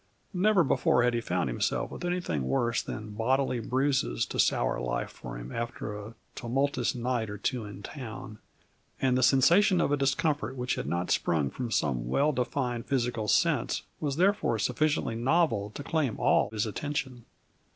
Never before had he found himself with anything worse than bodily bruises to sour life for him after a tumultuous night or two in town, and the sensation of a discomfort which had not sprung from some well defined physical sense was therefore sufficiently novel to claim all his attention.